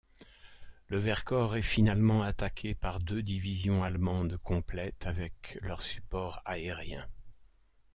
Le Vercors est finalement attaqué par deux divisions allemandes complètes avec leur support aérien.